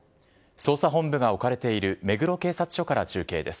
捜査本部が置かれている目黒警察署から中継です。